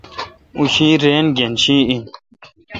او شی رین گین شی این۔